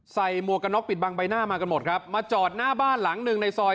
หมวกกันน็อปิดบังใบหน้ามากันหมดครับมาจอดหน้าบ้านหลังหนึ่งในซอย